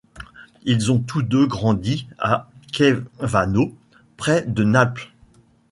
Ils ont tous deux grandi à Caivano près de Naples.